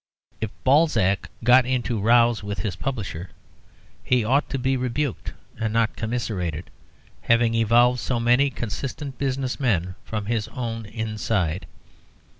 If Balzac got into rows with his publishers he ought to be rebuked and not commiserated, having evolved so many consistent business men from his own inside.